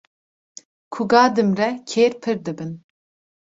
Ku ga dimre kêr pir dibin.